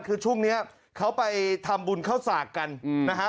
คือช่วงนี้เขาไปทำบุญเข้าสากกันนะฮะ